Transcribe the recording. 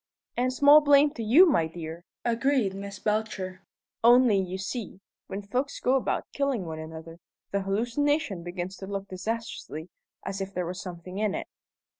'" "And small blame to you, my dear!" agreed Miss Belcher; "only, you see, when folks go about killing one another, the hallucination begins to look disastrously as if there were something in it."